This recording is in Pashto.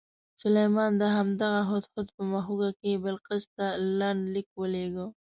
سلیمان د همدغه هدهد په مښوکه کې بلقیس ته لنډ لیک ولېږه.